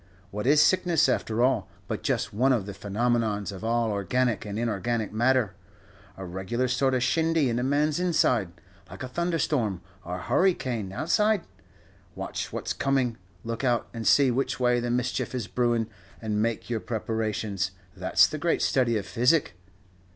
What is sickness, after all, but just one of the phenomenons of all organic and inorganic matter a regular sort of shindy in a man's inside, like a thunderstorm, or a hurry cane outside? Watch what's coming, look out and see which way the mischief is brewin', and make your preparations. That's the great study of physic."